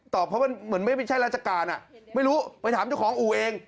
เพราะมันเหมือนไม่ใช่ราชการอ่ะไม่รู้ไปถามเจ้าของอู่เอง